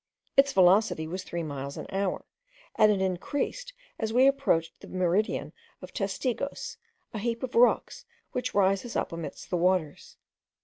Its velocity was three miles an hour, and it increased as we approached the meridian of Testigos, a heap of rocks which rises up amidst the waters.